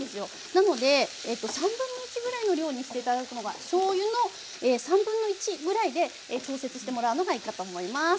なので1/3ぐらいの量にして頂くのがしょうゆの1/3ぐらいで調節してもらうのがいいかと思います。